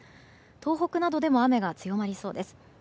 東北などでも雨が強まりそうです。